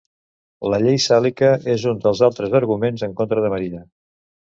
La llei sàlica és un dels altres arguments en contra de Maria.